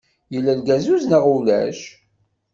Yella lgazuz neɣ ulac?